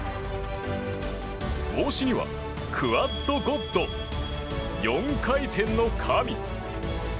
帽子には、クアッド・ゴッド４回転の神。